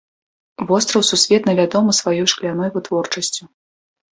Востраў сусветна вядомы сваёй шкляной вытворчасцю.